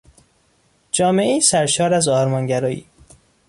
جامعهای سرشار از آرمانگرایی